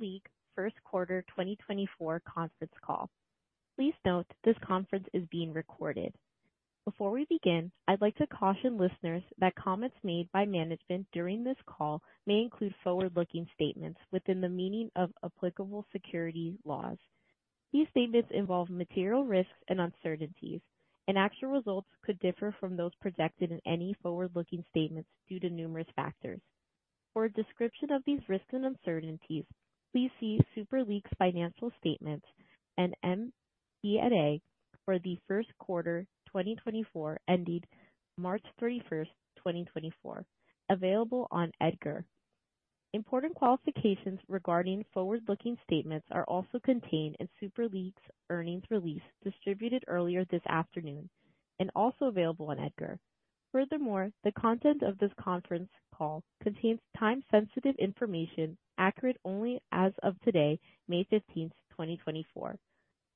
Super League Q1 2024 conference call. Please note, this conference is being recorded. Before we begin, I'd like to caution listeners that comments made by management during this call may include forward-looking statements within the meaning of applicable securities laws. These statements involve material risks and uncertainties, and actual results could differ from those projected in any forward-looking statements due to numerous factors. For a description of these risks and uncertainties, please see Super League's financial statements and MD&A for the Q1 2024, ending March 31, 2024, available on EDGAR. Important qualifications regarding forward-looking statements are also contained in Super League's earnings release, distributed earlier this afternoon and also available on EDGAR. Furthermore, the content of this conference call contains time-sensitive information, accurate only as of today, May 15, 2024.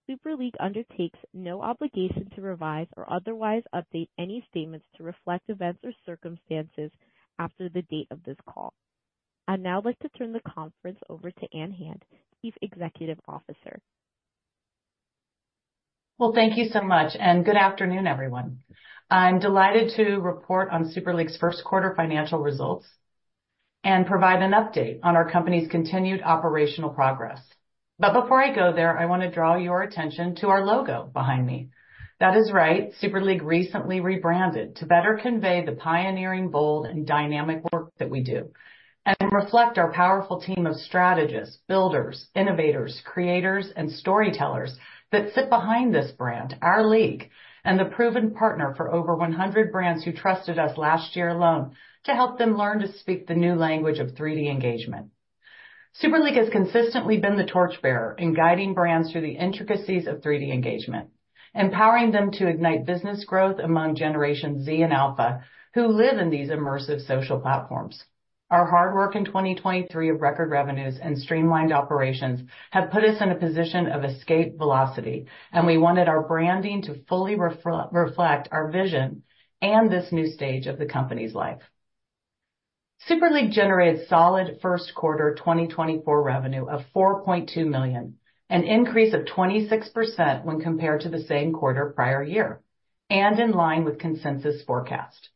Super League undertakes no obligation to revise or otherwise update any statements to reflect events or circumstances after the date of this call. I'd now like to turn the conference over to Ann Hand, Chief Executive Officer. Well, thank you so much, and good afternoon, everyone. I'm delighted to report on Super League's Q1 financial results and provide an update on our company's continued operational progress. But before I go there, I want to draw your attention to our logo behind me. That is right. Super League recently rebranded to better convey the pioneering, bold, and dynamic work that we do, and reflect our powerful team of strategists, builders, innovators, creators, and storytellers that sit behind this brand, our league, and the proven partner for over 100 brands who trusted us last year alone to help them learn to speak the new language of the engagement. Super League has consistently been the torchbearer in guiding brands through the intricacies of 3D engagement, empowering them to ignite business growth among Generation Z and Alpha, who live in these immersive social platforms. Our hard work in 2023 of record revenues and streamlined operations have put us in a position of escape velocity, and we wanted our branding to fully reflect our vision and this new stage of the company's life. Super League generated solid Q1 2024 revenue of $4.2 million, an increase of 26% when compared to the same quarter prior year, and in line with consensus forecast.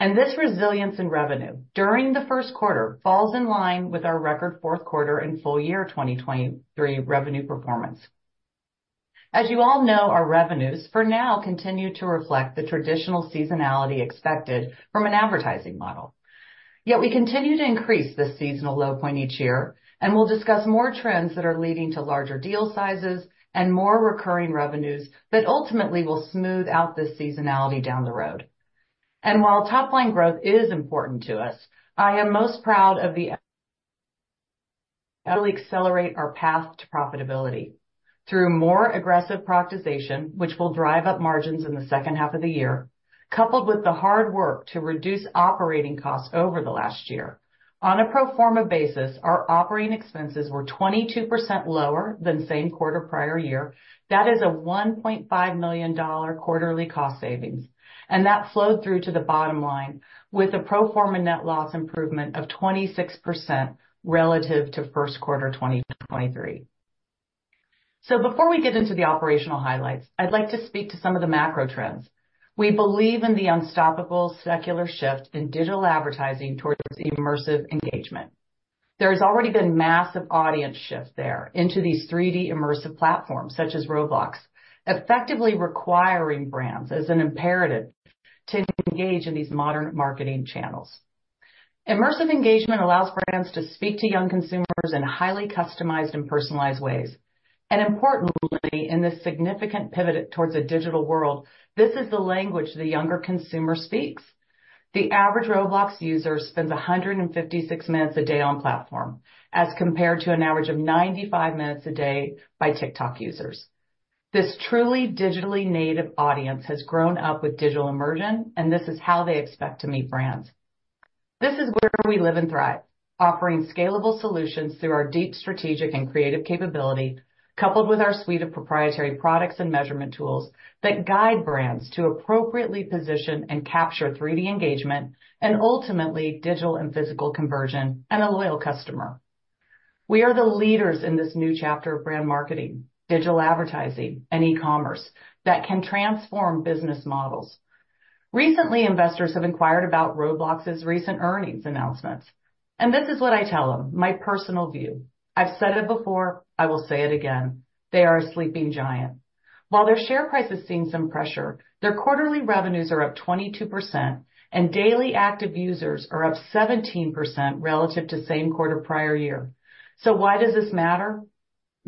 This resilience in revenue during the Q1 falls in line with our record Q4 and full year 2023 revenue performance. As you all know, our revenues for now continue to reflect the traditional seasonality expected from an advertising model. Yet we continue to increase this seasonal low point each year, and we'll discuss more trends that are leading to larger deal sizes and more recurring revenues that ultimately will smooth out this seasonality down the road. While top-line growth is important to us, I am most proud of accelerating our path to profitability through more aggressive productization, which will drive up margins in the H2 of the year, coupled with the hard work to reduce operating costs over the last year. On a pro forma basis, our operating expenses were 22% lower than the same quarter prior year. That is a $1.5 million quarterly cost savings, and that flowed through to the bottom line with a pro forma net loss improvement of 26% relative to Q1 2023. Before we get into the operational highlights, I'd like to speak to some of the macro trends. We believe in the unstoppable secular shift in digital advertising towards immersive engagement. There has already been massive audience shift there into these 3D immersive platforms such as Roblox, effectively requiring brands as an imperative to engage in these modern marketing channels. Immersive engagement allows brands to speak to young consumers in highly customized and personalized ways, and importantly, in this significant pivot towards a digital world, this is the language the younger consumer speaks. The average Roblox user spends 156 minutes a day on platform, as compared to an average of 95 minutes a day by TikTok users. This truly digitally native audience has grown up with digital immersion, and this is how they expect to meet brands. This is where we live and thrive, offering scalable solutions through our deep strategic and creative capability, coupled with our suite of proprietary products and measurement tools that guide brands to appropriately position and capture 3D engagement and ultimately digital and physical conversion and a loyal customer. We are the leaders in this new chapter of brand marketing, digital advertising and e-commerce that can transform business models. Recently, investors have inquired about Roblox's recent earnings announcements, and this is what I tell them, my personal view. I've said it before, I will say it again, they are a sleeping giant. While their share price is seeing some pressure, their quarterly revenues are up 22% and daily active users are up 17% relative to same quarter prior year. So why does this matter?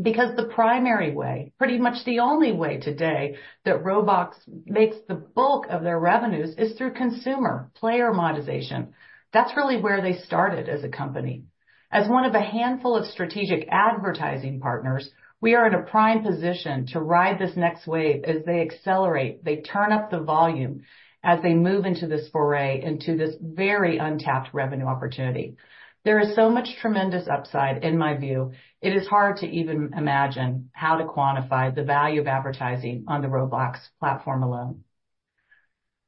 Because the primary way, pretty much the only way today, that Roblox makes the bulk of their revenues is through consumer player monetization. That's really where they started as a company. As one of a handful of strategic advertising partners, we are in a prime position to ride this next wave as they accelerate, they turn up the volume as they move into this foray, into this very untapped revenue opportunity. There is so much tremendous upside, in my view, it is hard to even imagine how to quantify the value of advertising on the Roblox platform alone...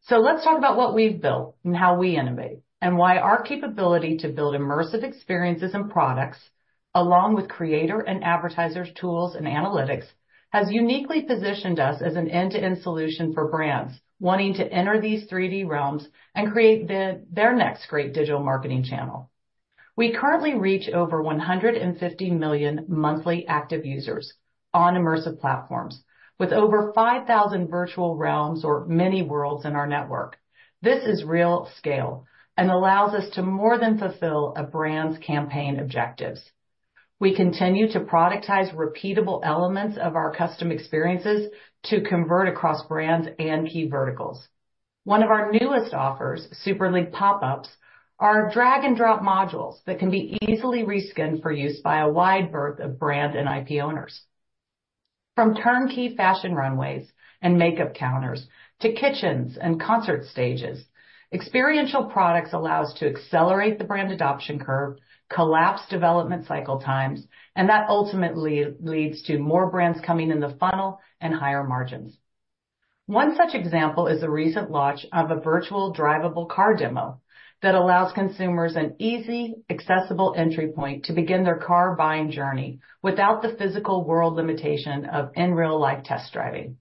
So let's talk about what we've built and how we innovate, and why our capability to build immersive experiences and products, along with creator and advertisers tools and analytics, has uniquely positioned us as an end-to-end solution for brands wanting to enter these 3D realms and create the, their next great digital marketing channel. We currently reach over 150 million monthly active users on immersive platforms, with over 5,000 virtual realms or many worlds in our network. This is real scale and allows us to more than fulfill a brand's campaign objectives. We continue to productize repeatable elements of our custom experiences to convert across brands and key verticals. One of our newest offers, Super League Pop-ups, are drag-and-drop modules that can be easily reskinned for use by a wide breadth of brand and IP owners. From turnkey fashion runways and makeup counters to kitchens and concert stages, experiential products allow us to accelerate the brand adoption curve, collapse development cycle times, and that ultimately leads to more brands coming in the funnel and higher margins. One such example is the recent launch of a virtual drivable car demo that allows consumers an easy, accessible entry point to begin their car buying journey without the physical world limitation of in real-life test driving.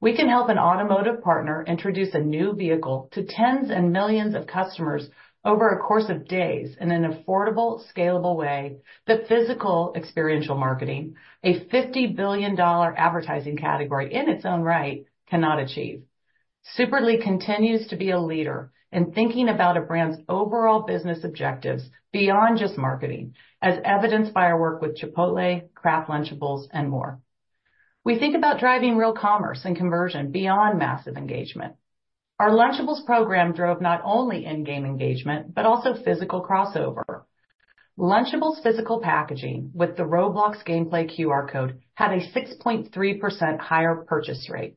We can help an automotive partner introduce a new vehicle to tens of millions of customers over a course of days in an affordable, scalable way that physical experiential marketing, a $50 billion advertising category in its own right, cannot achieve. Super League continues to be a leader in thinking about a brand's overall business objectives beyond just marketing, as evidenced by our work with Chipotle, Kraft Lunchables, and more. We think about driving real commerce and conversion beyond massive engagement. Our Lunchables program drove not only in-game engagement, but also physical crossover. Lunchables physical packaging with the Roblox gameplay QR code had a 6.3% higher purchase rate,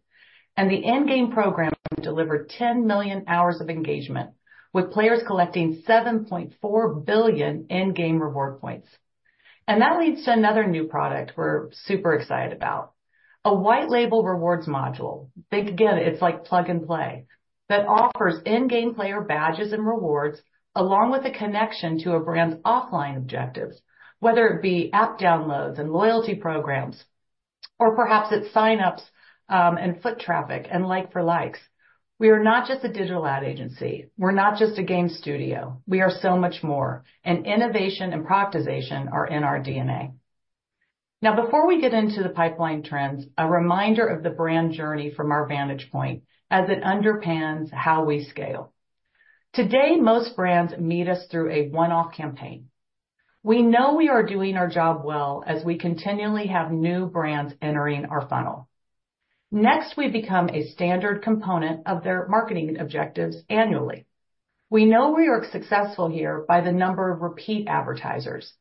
and the in-game programming delivered 10 million hours of engagement, with players collecting 7.4 billion in-game reward points. That leads to another new product we're super excited about, a white label rewards module. Think again, it's like plug and play, that offers in-game player badges and rewards, along with a connection to a brand's offline objectives, whether it be app downloads and loyalty programs, or perhaps it's sign-ups, and foot traffic and like for likes. We are not just a digital ad agency, we're not just a game studio, we are so much more, and innovation and productization are in our DNA. Now, before we get into the pipeline trends, a reminder of the brand journey from our vantage point as it underpins how we scale. Today, most brands meet us through a one-off campaign. We know we are doing our job well as we continually have new brands entering our funnel. Next, we become a standard component of their marketing objectives annually. We know we are successful here by the number of repeat advertisers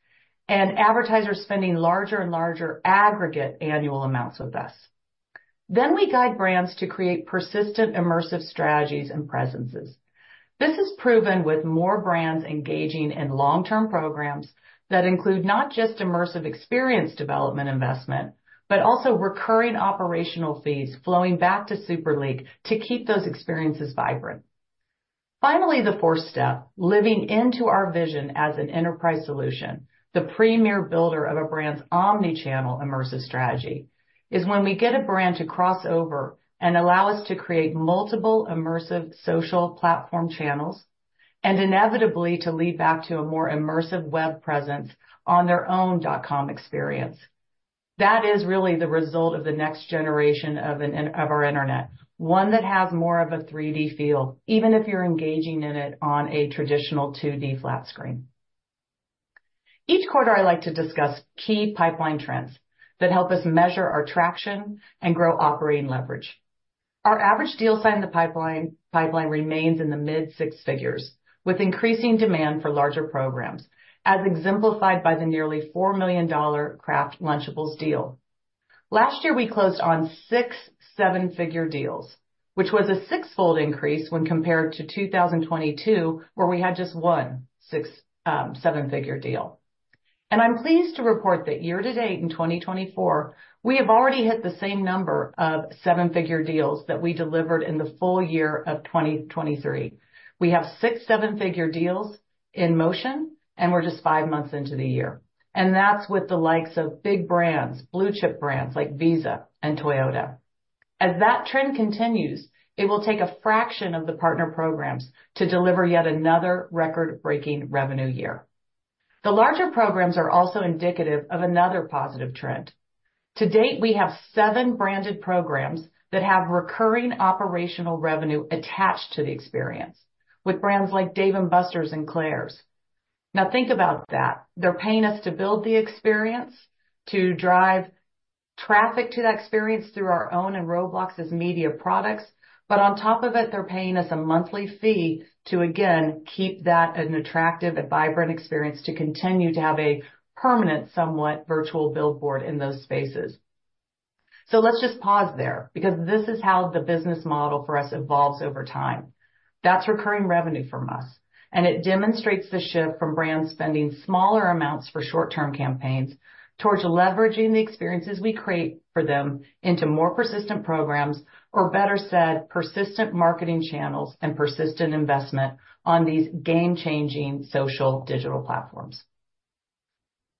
and advertisers spending larger and larger aggregate annual amounts with us. Then we guide brands to create persistent, immersive strategies and presences. This is proven with more brands engaging in long-term programs that include not just immersive experience development investment, but also recurring operational fees flowing back to Super League to keep those experiences vibrant. Finally, the fourth step, living into our vision as an enterprise solution, the premier builder of a brand's omni-channel immersive strategy, is when we get a brand to cross over and allow us to create multiple immersive social platform channels and inevitably to lead back to a more immersive web presence on their own dot-com experience. That is really the result of the next generation of our internet, one that has more of a 3D feel, even if you're engaging in it on a traditional 2D flat screen. Each quarter, I like to discuss key pipeline trends that help us measure our traction and grow operating leverage. Our average deal signed in the pipeline remains in the mid-six figures, with increasing demand for larger programs, as exemplified by the nearly $4 million Kraft Lunchables deal. Last year, we closed on six seven-figure deals, which was a sixfold increase when compared to 2022, where we had just one seven-figure deal. And I'm pleased to report that year to date, in 2024, we have already hit the same number of seven-figure deals that we delivered in the full year of 2023. We have six seven-figure deals in motion, and we're just five months into the year. And that's with the likes of big brands, blue chip brands like Visa and Toyota. As that trend continues, it will take a fraction of the partner programs to deliver yet another record-breaking revenue year. The larger programs are also indicative of another positive trend. To date, we have seven branded programs that have recurring operational revenue attached to the experience, with brands like Dave & Buster's and Claire's. Now think about that. They're paying us to build the experience, to drive traffic to that experience through our own and Roblox's media products. But on top of it, they're paying us a monthly fee to again, keep that an attractive and vibrant experience to continue to have a permanent, somewhat virtual billboard in those spaces. So let's just pause there, because this is how the business model for us evolves over time.... That's recurring revenue from us, and it demonstrates the shift from brands spending smaller amounts for short-term campaigns towards leveraging the experiences we create for them into more persistent programs, or better said, persistent marketing channels and persistent investment on these game-changing social digital platforms.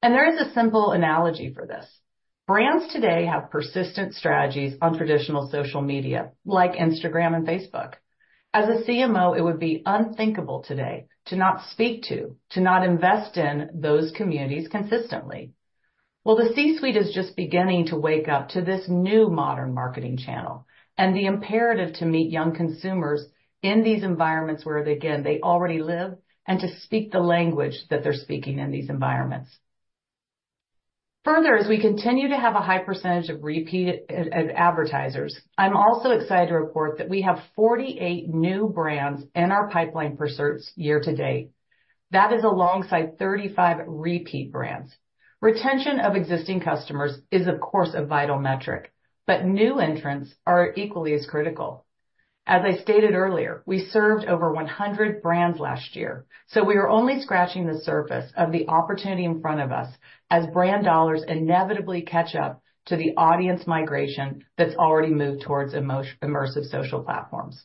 And there is a simple analogy for this: brands today have persistent strategies on traditional social media, like Instagram and Facebook. As a CMO, it would be unthinkable today to not speak to, to not invest in those communities consistently. Well, the C-suite is just beginning to wake up to this new modern marketing channel and the imperative to meet young consumers in these environments where, again, they already live, and to speak the language that they're speaking in these environments. Further, as we continue to have a high percentage of repeat advertisers, I'm also excited to report that we have 48 new brands in our pipeline for Q3 year to date. That is alongside 35 repeat brands. Retention of existing customers is, of course, a vital metric, but new entrants are equally as critical. As I stated earlier, we served over 100 brands last year, so we are only scratching the surface of the opportunity in front of us as brand dollars inevitably catch up to the audience migration that's already moved towards immersive social platforms.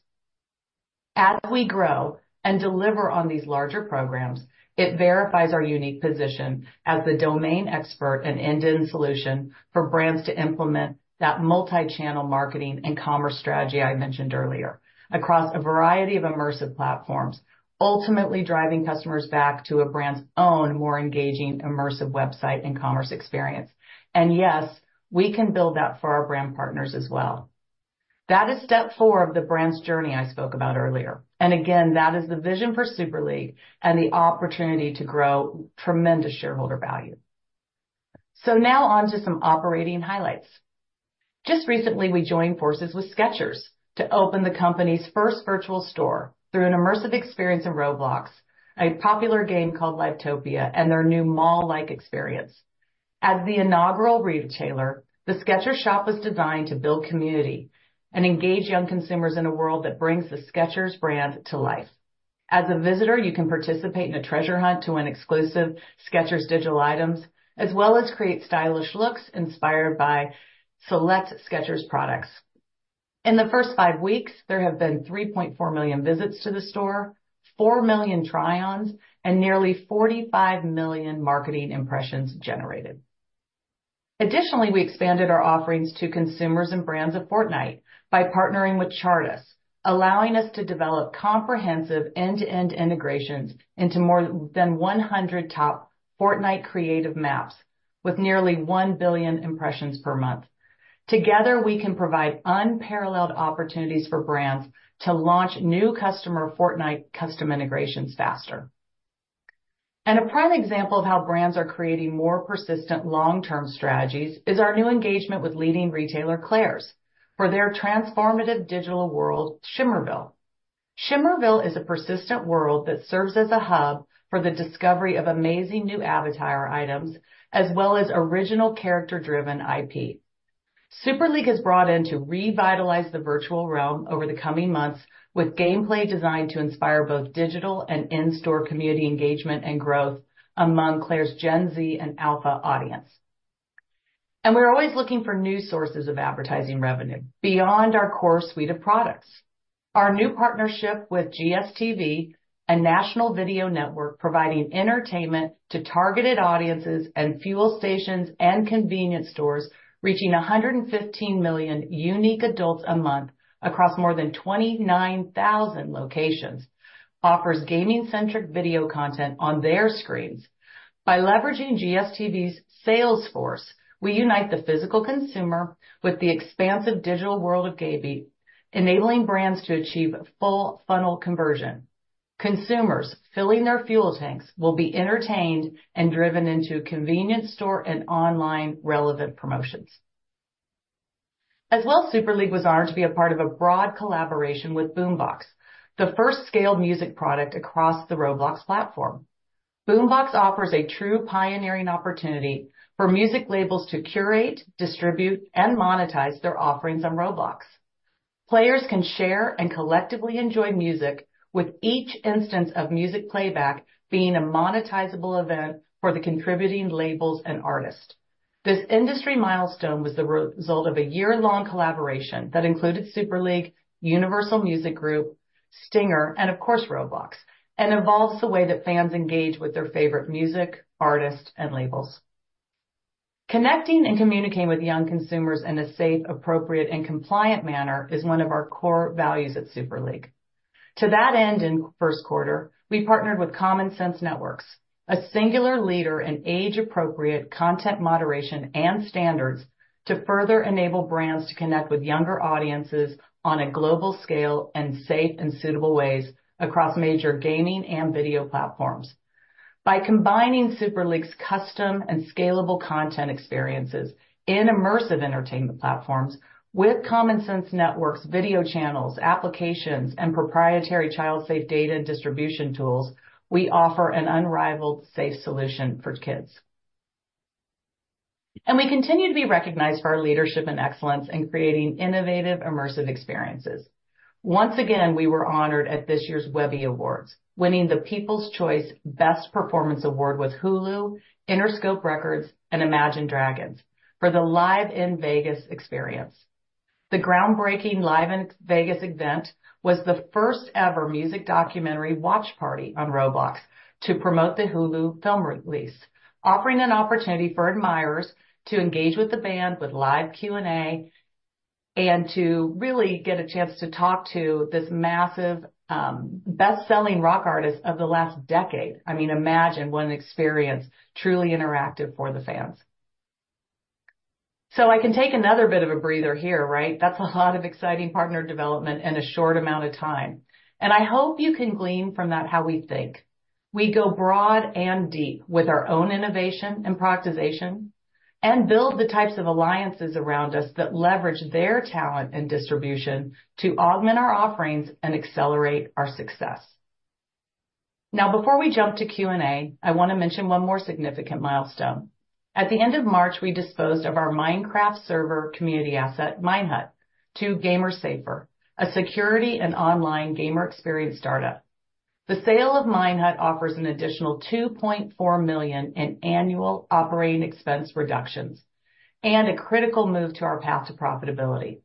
As we grow and deliver on these larger programs, it verifies our unique position as the domain expert and end-to-end solution for brands to implement that multi-channel marketing and commerce strategy I mentioned earlier, across a variety of immersive platforms, ultimately driving customers back to a brand's own more engaging, immersive website and commerce experience. Yes, we can build that for our brand partners as well. That is step four of the brand's journey I spoke about earlier, and again, that is the vision for Super League and the opportunity to grow tremendous shareholder value. Now on to some operating highlights. Just recently, we joined forces with Skechers to open the company's first virtual store through an immersive experience in Roblox, a popular game called Livetopia, and their new mall-like experience. As the inaugural retailer, the Skechers shop was designed to build community and engage young consumers in a world that brings the Skechers brand to life. As a visitor, you can participate in a treasure hunt to win exclusive Skechers digital items, as well as create stylish looks inspired by select Skechers products. In the first five weeks, there have been 3.4 million visits to the store, 4 million try-ons, and nearly 45 million marketing impressions generated. Additionally, we expanded our offerings to consumers and brands of Fortnite by partnering with Chartis, allowing us to develop comprehensive end-to-end integrations into more than 100 top Fortnite creative maps with nearly 1 billion impressions per month. Together, we can provide unparalleled opportunities for brands to launch new customer Fortnite custom integrations faster. A prime example of how brands are creating more persistent long-term strategies is our new engagement with leading retailer, Claire's, for their transformative digital world, Shimmerville. Shimmerville is a persistent world that serves as a hub for the discovery of amazing new avatar items, as well as original character-driven IP. Super League is brought in to revitalize the virtual realm over the coming months with gameplay designed to inspire both digital and in-store community engagement and growth among Claire's Gen Z and Alpha audience. We're always looking for new sources of advertising revenue beyond our core suite of products. Our new partnership with GSTV, a national video network, providing entertainment to targeted audiences and fuel stations and convenience stores, reaching 115 million unique adults a month across more than 29,000 locations, offers gaming-centric video content on their screens. By leveraging GSTV's sales force, we unite the physical consumer with the expansive digital world of gaming, enabling brands to achieve full funnel conversion. Consumers filling their fuel tanks will be entertained and driven into convenience store and online relevant promotions. As well, Super League was honored to be a part of a broad collaboration with Boombox, the first scaled music product across the Roblox platform. Boombox offers a true pioneering opportunity for music labels to curate, distribute, and monetize their offerings on Roblox. Players can share and collectively enjoy music, with each instance of music playback being a monetizable event for the contributing labels and artists. This industry milestone was the result of a year-long collaboration that included Super League, Universal Music Group, STYNGR, and of course, Roblox, and evolves the way that fans engage with their favorite music, artists, and labels. Connecting and communicating with young consumers in a safe, appropriate, and compliant manner is one of our core values at Super League. To that end, in Q1, we partnered with Common Sense Networks, a singular leader in age-appropriate content moderation and standards, to further enable brands to connect with younger audiences on a global scale in safe and suitable ways across major gaming and video platforms. By combining Super League's custom and scalable content experiences in immersive entertainment platforms with Common Sense Networks, video channels, applications, and proprietary child-safe data and distribution tools, we offer an unrivaled, safe solution for kids. We continue to be recognized for our leadership and excellence in creating innovative, immersive experiences. Once again, we were honored at this year's Webby Awards, winning the People's Choice Best Performance Award with Hulu, Interscope Records, and Imagine Dragons for the Live in Vegas experience. The groundbreaking Live in Vegas event was the first-ever music documentary watch party on Roblox to promote the Hulu film release, offering an opportunity for admirers to engage with the band, with live Q&A, and to really get a chance to talk to this massive, best-selling rock artist of the last decade. I mean, imagine what an experience, truly interactive for the fans. So I can take another bit of a breather here, right? That's a lot of exciting partner development in a short amount of time, and I hope you can glean from that how we think. We go broad and deep with our own innovation and prioritization and build the types of alliances around us that leverage their talent and distribution to augment our offerings and accelerate our success. Now, before we jump to Q&A, I want to mention one more significant milestone. At the end of March, we disposed of our Minecraft server community asset, Minehut, to GamerSafer, a security and online gamer experience startup. The sale of Minehut offers an additional $2.4 million in annual operating expense reductions and a critical move to our path to profitability.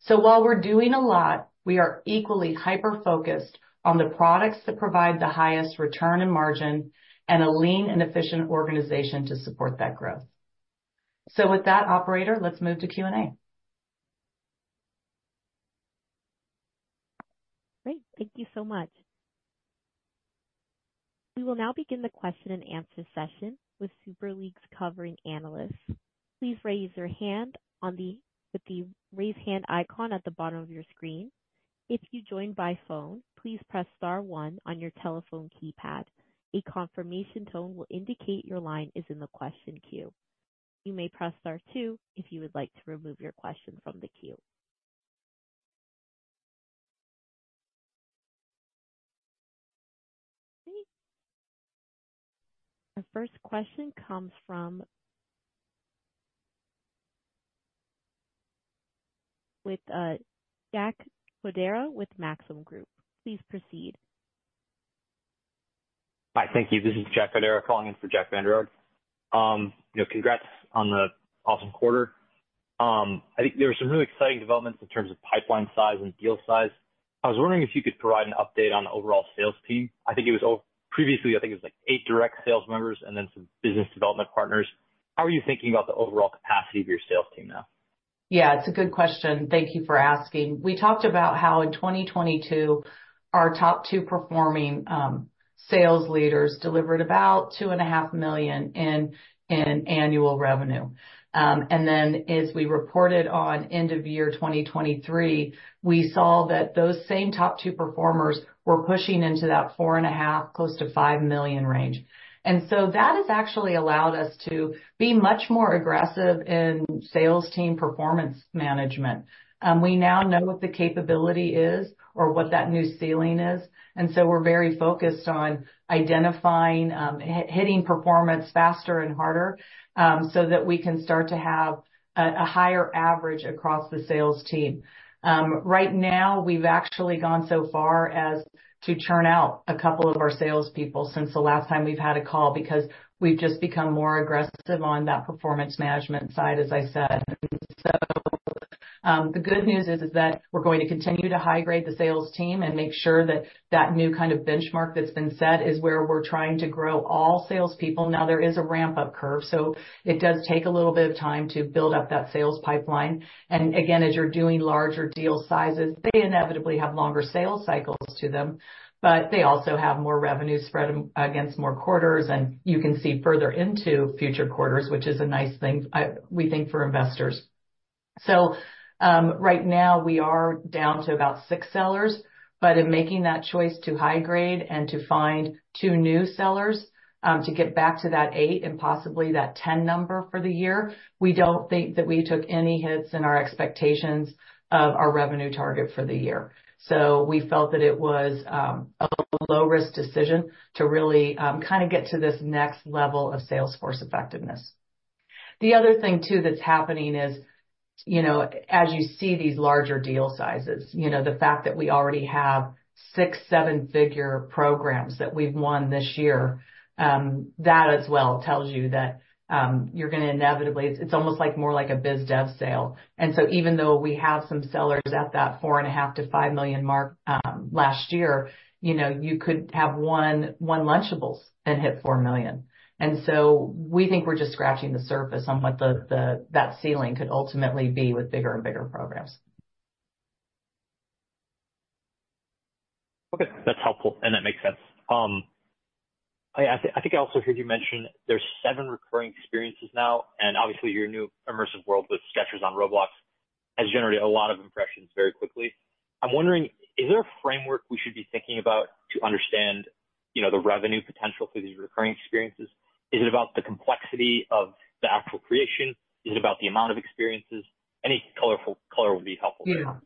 So while we're doing a lot, we are equally hyper-focused on the products that provide the highest return and margin and a lean and efficient organization to support that growth. So with that, operator, let's move to Q&A. Great. Thank you so much. We will now begin the question-and-answer session with Super League's covering analysts. Please raise your hand with the Raise Hand icon at the bottom of your screen. If you joined by phone, please press star one on your telephone keypad. A confirmation tone will indicate your line is in the question queue. You may press star two if you would like to remove your question from the queue. Okay. Our first question comes from Jack Vander Aarde with Maxim Group. Please proceed. Hi, thank you. This is Jack Fodero, calling in for Jack Vander Aarde. You know, congrats on the awesome quarter. I think there were some really exciting developments in terms of pipeline size and deal size. I was wondering if you could provide an update on the overall sales team. I think it was previously, I think it was, like, eight direct sales members and then some business development partners. How are you thinking about the overall capacity of your sales team now? Yeah, it's a good question. Thank you for asking. We talked about how in 2022, our top two performing sales leaders delivered about $2.5 million in annual revenue. And then as we reported on end of year 2023, we saw that those same top two performers were pushing into that $4.5 million-$5 million range. And so that has actually allowed us to be much more aggressive in sales team performance management. We now know what the capability is or what that new ceiling is, and so we're very focused on identifying hitting performance faster and harder, so that we can start to have a higher average across the sales team. Right now, we've actually gone so far as to churn out a couple of our salespeople since the last time we've had a call, because we've just become more aggressive on that performance management side, as I said. So, the good news is, is that we're going to continue to high-grade the sales team and make sure that that new kind of benchmark that's been set is where we're trying to grow all salespeople. Now, there is a ramp-up curve, so it does take a little bit of time to build up that sales pipeline. And again, as you're doing larger deal sizes, they inevitably have longer sales cycles to them, but they also have more revenue spread against more quarters, and you can see further into future quarters, which is a nice thing, I, we think, for investors. So, right now, we are down to about six sellers, but in making that choice to high grade and to find two new sellers, to get back to that eight and possibly that ten number for the year, we don't think that we took any hits in our expectations of our revenue target for the year. So we felt that it was, a low-risk decision to really, kind of get to this next level of sales force effectiveness. The other thing, too, that's happening is, you know, as you see these larger deal sizes, you know, the fact that we already have six seven-figure programs that we've won this year, that as well tells you that, you're gonna inevitably. It's almost like more like a biz dev sale. And so even though we have some sellers at that $4.5 million-$5 million mark, last year, you know, you could have one Lunchables and hit $4 million. And so we think we're just scratching the surface on what that ceiling could ultimately be with bigger and bigger programs. Okay, that's helpful, and that makes sense. I think I also heard you mention there's 7 recurring experiences now, and obviously your new immersive world with Skechers on Roblox has generated a lot of impressions very quickly. I'm wondering, is there a framework we should be thinking about to understand, you know, the revenue potential for these recurring experiences? Is it about the complexity of the actual creation? Is it about the amount of experiences? Any colorful, color would be helpful here....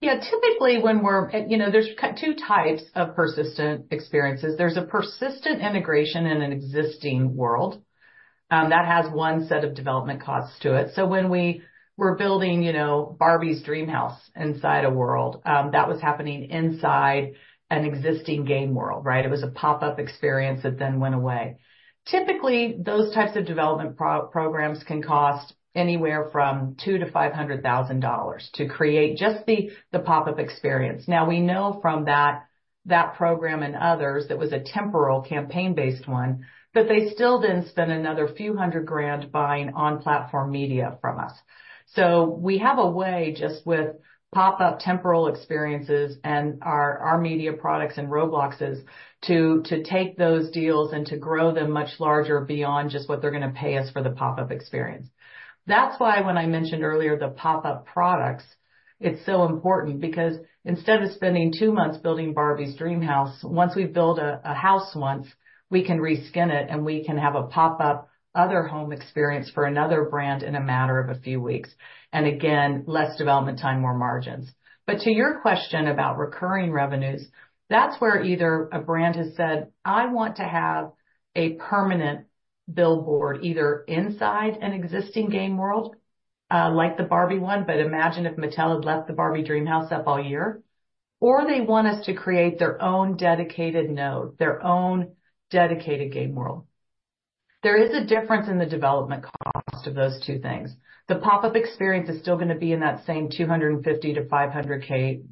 Yeah, typically, when we're, you know, there's two types of persistent experiences. There's a persistent integration in an existing world, that has one set of development costs to it. So when we were building, you know, Barbie's Dream House inside a world, that was happening inside an existing game world, right? It was a pop-up experience that then went away. Typically, those types of development programs can cost anywhere from $200,000-$500,000 to create just the pop-up experience. Now, we know from that, that program and others, that was a temporal campaign-based one, that they still then spend another $few hundred grand buying on-platform media from us. So we have a way, just with pop-up temporal experiences and our media products and Roblox's, to take those deals and to grow them much larger beyond just what they're gonna pay us for the pop-up experience. That's why when I mentioned earlier, the pop-up products, it's so important because instead of spending two months building Barbie's Dream House, once we build a house once, we can reskin it, and we can have a pop-up other home experience for another brand in a matter of a few weeks. And again, less development time, more margins. But to your question about recurring revenues, that's where either a brand has said, "I want to have a permanent billboard," either inside an existing game world, like the Barbie one, but imagine if Mattel had left the Barbie's Dream House up all year, or they want us to create their own dedicated node, their own dedicated game world. There is a difference in the development cost of those two things. The pop-up experience is still gonna be in that same $250K-$500K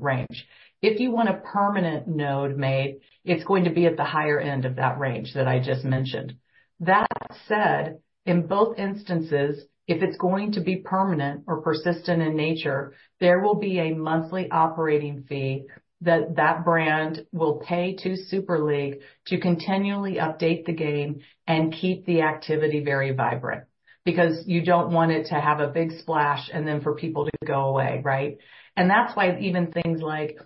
range. If you want a permanent node made, it's going to be at the higher end of that range that I just mentioned. That said, in both instances, if it's going to be permanent or persistent in nature, there will be a monthly operating fee that that brand will pay to Super League to continually update the game and keep the activity very vibrant, because you don't want it to have a big splash and then for people to go away, right? And that's why even things like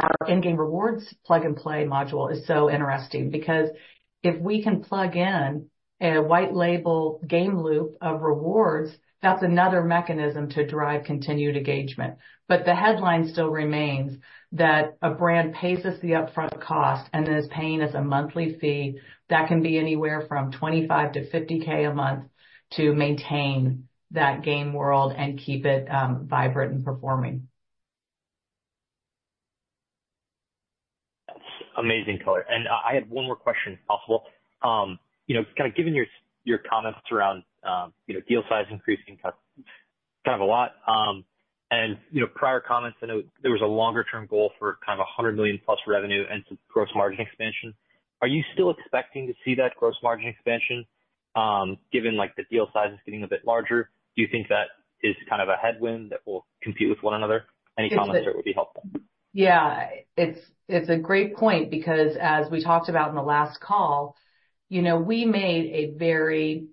our in-game rewards plug and play module is so interesting, because if we can plug in a white label game loop of rewards, that's another mechanism to drive continued engagement. But the headline still remains that a brand pays us the upfront cost and then is paying us a monthly fee that can be anywhere from $25K-$50K a month to maintain that game world and keep it vibrant and performing. That's amazing, Color. I had one more question, if possible. You know, kind of given your comments around, you know, deal size increasing kind of a lot, and, you know, prior comments, I know there was a longer term goal for kind of a 100 million+ revenue and some gross margin expansion. Are you still expecting to see that gross margin expansion, given, like, the deal size is getting a bit larger? Do you think that is kind of a headwind that will compete with one another? Any comments there would be helpful. Yeah, it's, it's a great point because as we talked about in the last call, you know, we made a very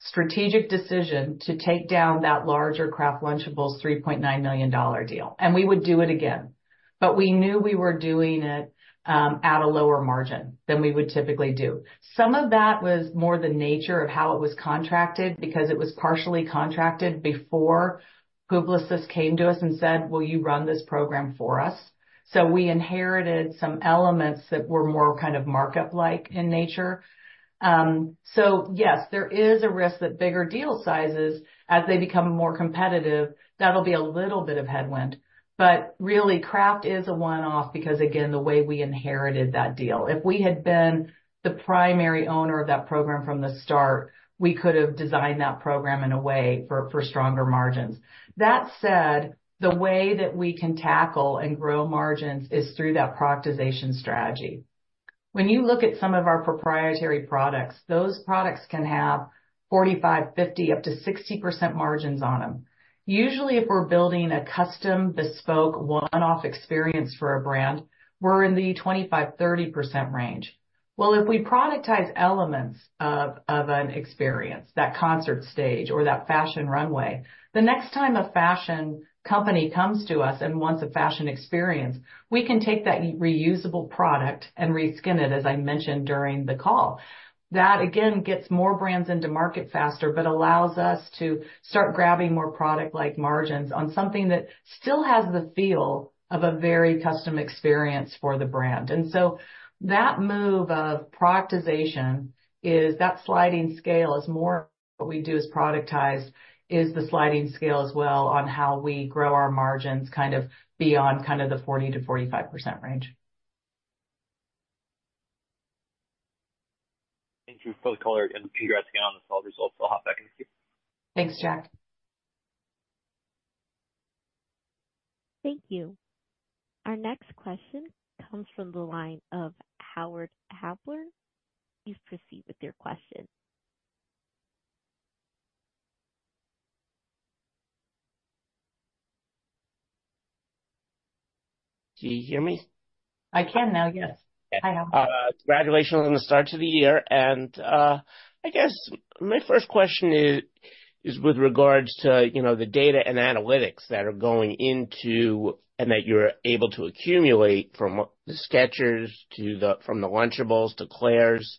strategic decision to take down that larger Kraft Lunchables $3.9 million deal, and we would do it again. But we knew we were doing it at a lower margin than we would typically do. Some of that was more the nature of how it was contracted, because it was partially contracted before Google came to us and said, "Will you run this program for us?" So we inherited some elements that were more kind of markup-like in nature. So yes, there is a risk that bigger deal sizes, as they become more competitive, that'll be a little bit of headwind. But really, Kraft is a one-off because, again, the way we inherited that deal. If we had been the primary owner of that program from the start, we could have designed that program in a way for stronger margins. That said, the way that we can tackle and grow margins is through that productization strategy. When you look at some of our proprietary products, those products can have 45, 50, up to 60% margins on them. Usually, if we're building a custom, bespoke, one-off experience for a brand, we're in the 25%-30% range. Well, if we productize elements of an experience, that concert stage or that fashion runway, the next time a fashion company comes to us and wants a fashion experience, we can take that reusable product and reskin it, as I mentioned during the call. That, again, gets more brands into market faster, but allows us to start grabbing more product-like margins on something that still has the feel of a very custom experience for the brand. And so that move of productization is... That sliding scale is more what we do as productize, is the sliding scale as well on how we grow our margins, kind of beyond kind of the 40%-45% range. Thank you both, Clayton and Ann, on the results. I'll hop back in the queue. Thanks, Jack. Thank you. Our next question comes from the line of Howard Halpern. Please proceed with your question. Do you hear me? I can now. Yes, I know. Congratulations on the start to the year. I guess my first question is with regards to, you know, the data and analytics that are going into, and that you're able to accumulate from the Skechers to the, from the Lunchables to Claire's.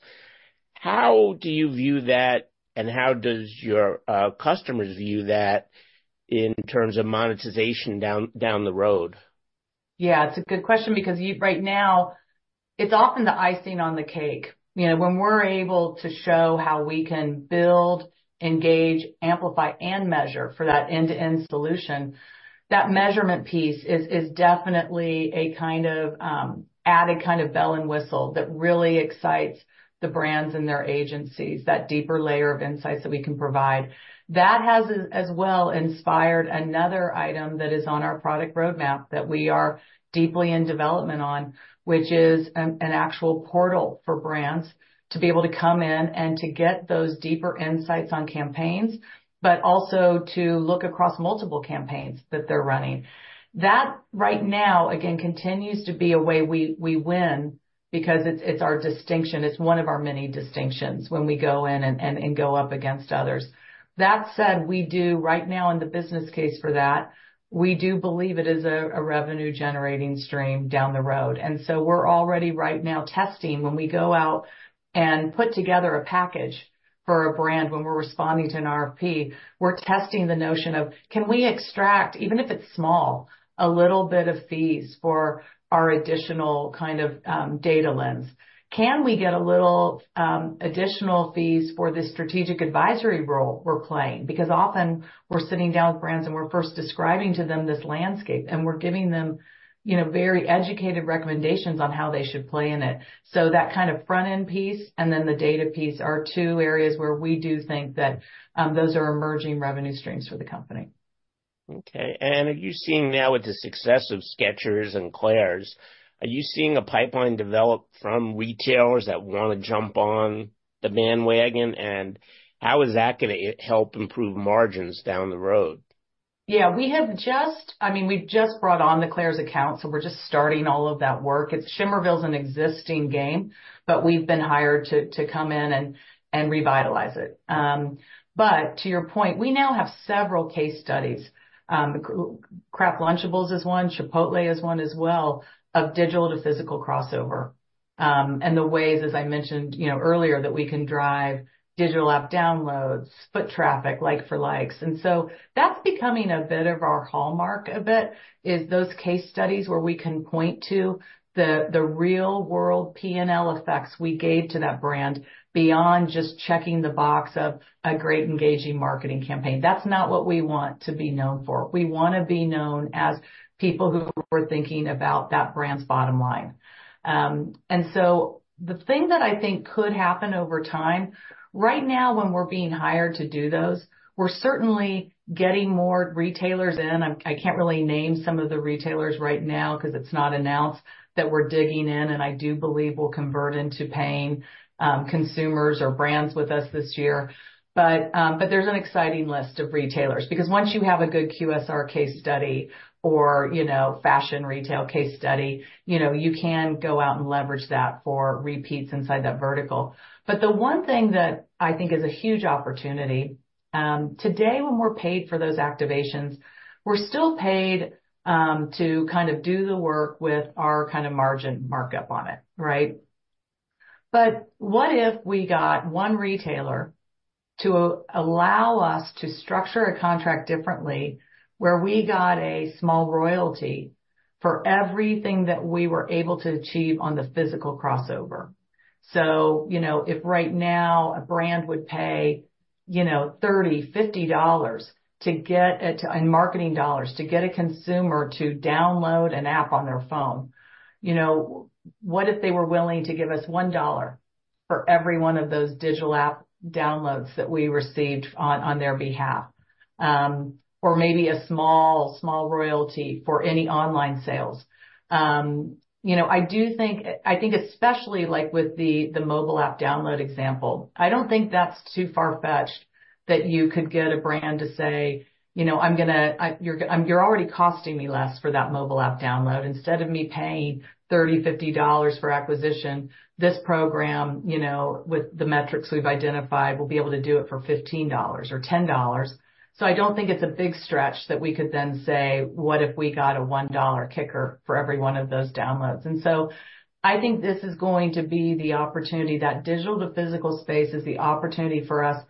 How do you view that, and how does your customers view that in terms of monetization down the road? Yeah, it's a good question, because right now, it's often the icing on the cake. You know, when we're able to show how we can build, engage, amplify, and measure for that end-to-end solution, that measurement piece is definitely a kind of added kind of bell and whistle that really excites the brands and their agencies, that deeper layer of insights that we can provide. That has, as well, inspired another item that is on our product roadmap that we are deeply in development on, which is an actual portal for brands to be able to come in and to get those deeper insights on campaigns, but also to look across multiple campaigns that they're running. That, right now, again, continues to be a way we win because it's our distinction. It's one of our many distinctions when we go in and go up against others. That said, we do right now in the business case for that, we do believe it is a revenue-generating stream down the road, and so we're already right now testing. When we go out and put together a package for a brand, when we're responding to an RFP, we're testing the notion of: can we extract, even if it's small, a little bit of fees for our additional kind of data lens? Can we get a little additional fees for the strategic advisory role we're playing? Because often we're sitting down with brands, and we're first describing to them this landscape, and we're giving them, you know, very educated recommendations on how they should play in it. That kind of front-end piece and then the data piece are two areas where we do think that, those are emerging revenue streams for the company. Okay. And are you seeing now, with the success of Skechers and Claire's, are you seeing a pipeline develop from retailers that wanna jump on the bandwagon? And how is that gonna help improve margins down the road? Yeah, we have just, I mean, we just brought on the Claire's account, so we're just starting all of that work. It's Shimmerville is an existing game, but we've been hired to come in and revitalize it. But to your point, we now have several case studies. Kraft Lunchables is one, Chipotle is one as well, of digital to physical crossover. And the ways, as I mentioned, you know, earlier, that we can drive digital app downloads, foot traffic, like for likes. And so that's becoming a bit of our hallmark a bit, is those case studies where we can point to the real world P&L effects we gave to that brand, beyond just checking the box of a great, engaging marketing campaign. That's not what we want to be known for. We wanna be known as people who are thinking about that brand's bottom line. And so the thing that I think could happen over time, right now, when we're being hired to do those, we're certainly getting more retailers in. I can't really name some of the retailers right now 'cause it's not announced, that we're digging in, and I do believe will convert into paying consumers or brands with us this year. But there's an exciting list of retailers, because once you have a good QSR case study or, you know, fashion retail case study, you know, you can go out and leverage that for repeats inside that vertical. But the one thing that I think is a huge opportunity, today, when we're paid for those activations, we're still paid, to kind of do the work with our kind of margin markup on it, right? But what if we got one retailer to allow us to structure a contract differently, where we got a small royalty for everything that we were able to achieve on the physical crossover? You know, if right now a brand would pay, you know, $30-$50 in marketing dollars, to get a consumer to download an app on their phone, you know, what if they were willing to give us $1 for every one of those digital app downloads that we received on their behalf? Or maybe a small, small royalty for any online sales. You know, I do think, I think especially, like, with the mobile app download example, I don't think that's too far-fetched, that you could get a brand to say, you know, I'm gonna... you're already costing me less for that mobile app download. Instead of me paying $30-$50 for acquisition, this program, you know, with the metrics we've identified, we'll be able to do it for $15 or $10. So I don't think it's a big stretch that we could then say: What if we got a $1 kicker for every one of those downloads? I think this is going to be the opportunity, that digital to physical space is the opportunity for us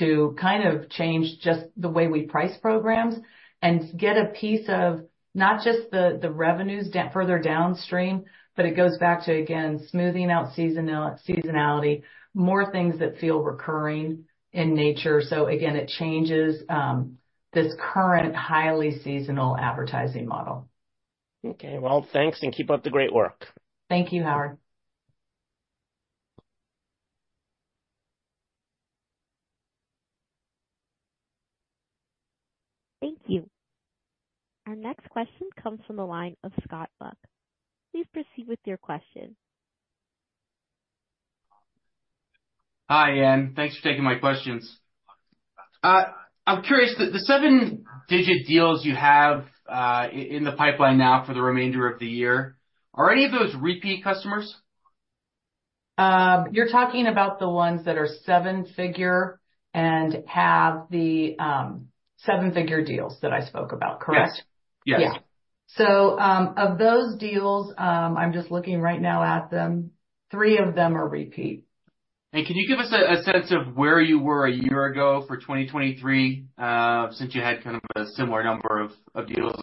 to kind of change just the way we price programs and get a piece of not just the revenues down further downstream, but it goes back to, again, smoothing out seasonality, more things that feel recurring in nature. So again, it changes this current highly seasonal advertising model. Okay, well, thanks, and keep up the great work. Thank you, Howard. Thank you. Our next question comes from the line of Scott Buck. Please proceed with your question. Hi, Ann. Thanks for taking my questions. I'm curious, the seven-digit deals you have in the pipeline now for the remainder of the year, are any of those repeat customers? You're talking about the ones that are 7-figure and have the 7-figure deals that I spoke about, correct? Yes. Yes.... So, of those deals, I'm just looking right now at them, three of them are repeat. Can you give us a sense of where you were a year ago for 2023, since you had kind of a similar number of deals?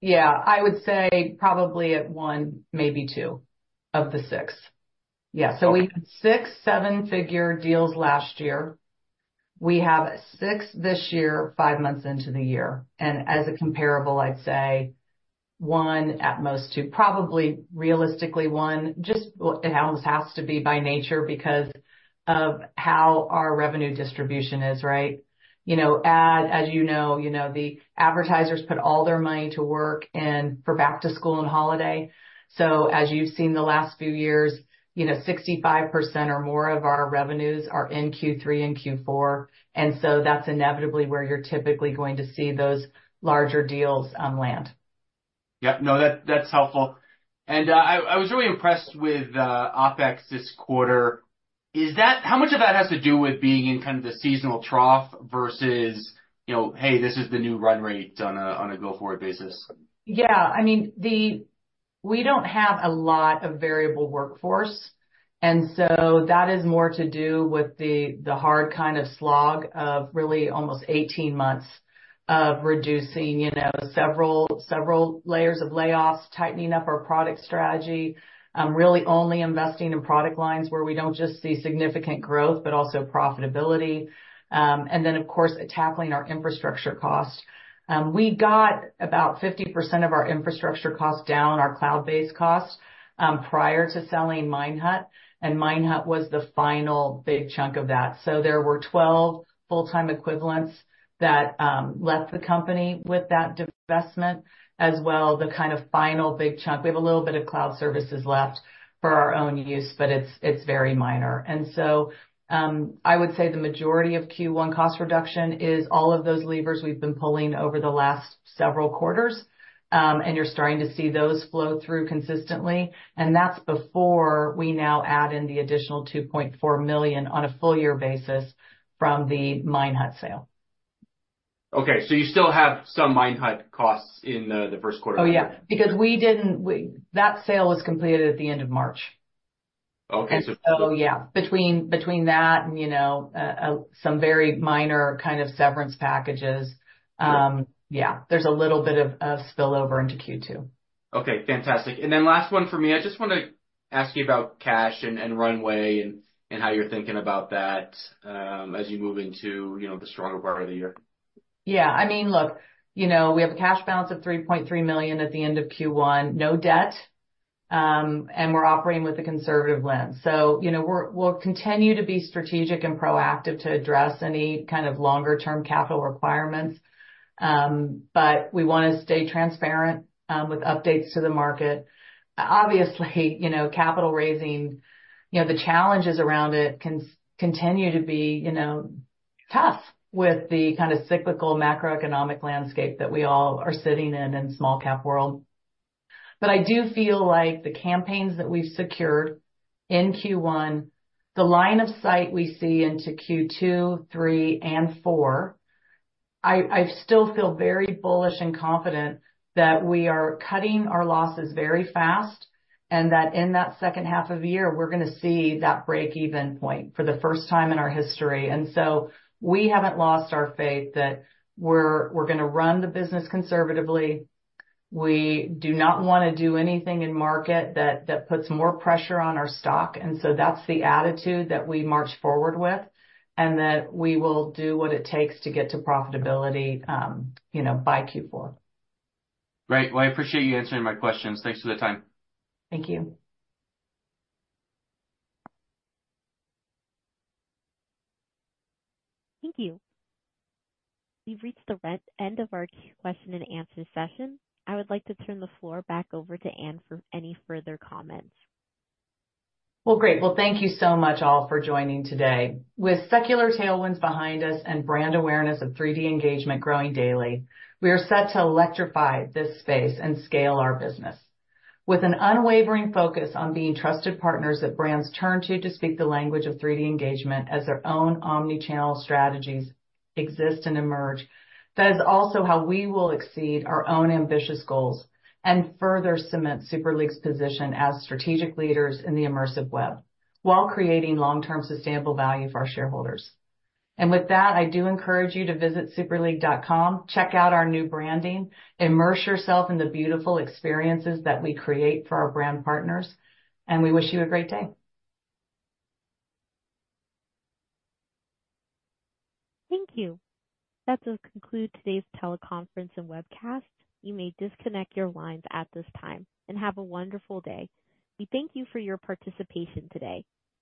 Yeah, I would say probably at 1, maybe 2, of the 6. Yeah. So we had 6 seven-figure deals last year. We have 6 this year, 5 months into the year, and as a comparable, I'd say 1, at most 2, probably realistically 1. Just, well, it almost has to be by nature because of how our revenue distribution is, right? You know, as you know, you know, the advertisers put all their money to work and for back to school and holiday. So as you've seen the last few years, you know, 65% or more of our revenues are in Q3 and Q4, and so that's inevitably where you're typically going to see those larger deals land. Yep. No, that, that's helpful. And, I was really impressed with, OpEx this quarter. Is that- how much of that has to do with being in kind of the seasonal trough versus, you know, "Hey, this is the new run rate on a, on a go-forward basis? Yeah. I mean, We don't have a lot of variable workforce, and so that is more to do with the hard kind of slog of really almost 18 months of reducing, you know, several layers of layoffs, tightening up our product strategy, really only investing in product lines where we don't just see significant growth, but also profitability, and then, of course, tackling our infrastructure costs. We got about 50% of our infrastructure costs down, our cloud-based costs prior to selling Minehut, and Minehut was the final big chunk of that. So there were 12 full-time equivalents that left the company with that divestment, as well, the kind of final big chunk. We have a little bit of cloud services left for our own use, but it's very minor. I would say the majority of Q1 cost reduction is all of those levers we've been pulling over the last several quarters, and you're starting to see those flow through consistently, and that's before we now add in the additional $2.4 million on a full year basis from the Minehut sale. Okay, so you still have some Minehut costs in the Q1? Oh, yeah, because that sale was completed at the end of March. Okay, so- So yeah, between that and, you know, some very minor kind of severance packages. Yeah. Yeah, there's a little bit of spillover into Q2. Okay, fantastic. Then last one for me. I just wanna ask you about cash and, and runway and, and how you're thinking about that, as you move into, you know, the stronger part of the year. Yeah. I mean, look, you know, we have a cash balance of $3.3 million at the end of Q1, no debt, and we're operating with a conservative lens. So you know, we'll continue to be strategic and proactive to address any kind of longer term capital requirements, but we wanna stay transparent with updates to the market. Obviously, you know, capital raising, you know, the challenges around it continue to be, you know, tough with the kind of cyclical macroeconomic landscape that we all are sitting in, in small cap world. I do feel like the campaigns that we've secured in Q1, the line of sight we see into Q2, Q3, and Q4, I still feel very bullish and confident that we are cutting our losses very fast, and that in that H2 of the year, we're gonna see that break-even point for the first time in our history. We haven't lost our faith that we're gonna run the business conservatively. We do not wanna do anything in market that puts more pressure on our stock, and so that's the attitude that we march forward with, and that we will do what it takes to get to profitability, you know, by Q4. Great. Well, I appreciate you answering my questions. Thanks for the time. Thank you. Thank you. We've reached the end of our question and answer session. I would like to turn the floor back over to Ann for any further comments. Well, great. Well, thank you so much all for joining today. With secular tailwinds behind us and brand awareness of 3D engagement growing daily, we are set to electrify this space and scale our business. With an unwavering focus on being trusted partners that brands turn to to speak the language of 3D engagement as their own omni-channel strategies exist and emerge, that is also how we will exceed our own ambitious goals and further cement Super League's position as strategic leaders in the immersive web, while creating long-term sustainable value for our shareholders. And with that, I do encourage you to visit superleague.com, check out our new branding, immerse yourself in the beautiful experiences that we create for our brand partners, and we wish you a great day. Thank you. That does conclude today's teleconference and webcast. You may disconnect your lines at this time, and have a wonderful day. We thank you for your participation today.